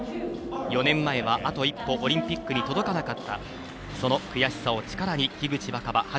４年前はあと一歩オリンピックに届かなかったその悔しさを力に樋口新葉。